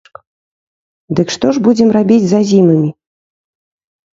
Дык што ж будзем рабіць з азімымі?